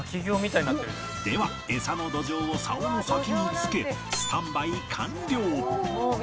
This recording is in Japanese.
ではエサのドジョウを竿の先につけスタンバイ完了